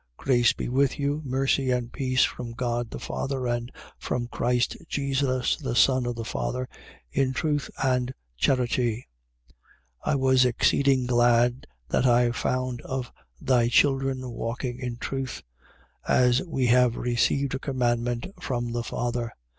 Grace be with you, mercy and peace from God the Father and from Christ Jesus the Son of the Father: in truth and charity. 1:4. I was exceeding glad that I found of thy children walking in truth, as we have received a commandment from the Father.